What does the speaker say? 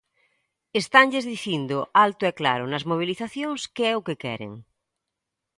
Estanlles dicindo alto e claro nas mobilizacións que é o queren.